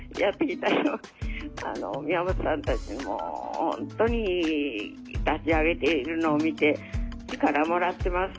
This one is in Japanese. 宮本さんたちも本当に立ち上げているのを見て力もらってます